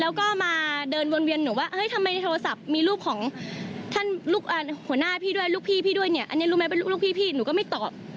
แล้วก็มาเดินวนเวียนหนูว่าทำไมในโทรศัพท์มีรูปของท่านหัวหน้าพี่ด้วยลูกพี่พี่ด้วยเนี่ยอันนี้รู้ไหมเป็นลูกพี่พี่หนูก็ไม่ตอบ